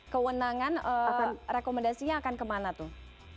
kewenangan rekomendasinya akan kemana tuh